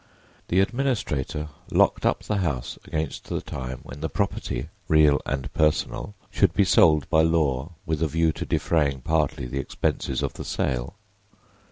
The administrator locked up the house against the time when the property, real and personal, should be sold by law with a view to defraying, partly, the expenses of the sale.